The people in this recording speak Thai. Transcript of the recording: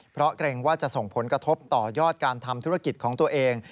เพราะเกรงว่าจะส่งผลกระทบต่อยอดการทำธุรกิจของตัวเอง